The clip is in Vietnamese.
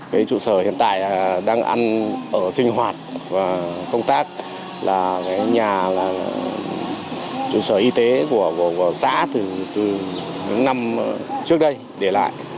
cái trụ sở hiện tại đang ăn ở sinh hoạt và công tác là cái nhà là trụ sở y tế của xã từ những năm trước đây để lại